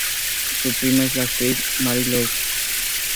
Su prima es la actriz Mary Lou.